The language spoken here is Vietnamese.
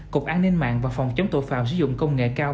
cục an ninh mạng và phòng chống tội phạm sử dụng công nghệ cao